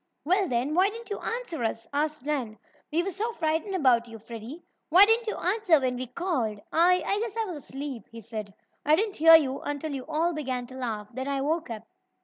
"Well, then, why didn't you answer us?" asked Nan. "We were so frightened about you, Freddie. Why didn't you answer when we called?" "I I guess I was asleep," he said. "I didn't hear you until you all began to laugh. Then I woke up."